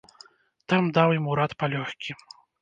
Там даў ім урад палёгкі.